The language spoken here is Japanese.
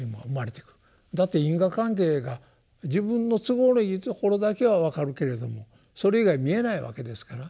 だって因果関係が自分の都合のいいところだけは分かるけれどもそれ以外見えないわけですから。